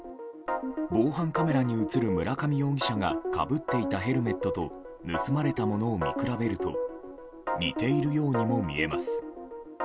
防犯カメラに映る村上容疑者がかぶっていたヘルメットと盗まれたものを見比べると似ているようにも見えます。